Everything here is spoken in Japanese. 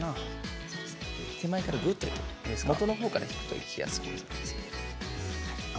手前からぐっと元の方から引くといきやすくなります。